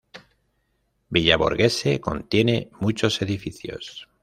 Villa Borghese contiene muchos edificios.